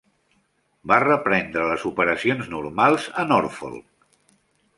Va reprendre les operacions normals a Norfolk.